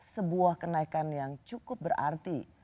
sebuah kenaikan yang cukup berarti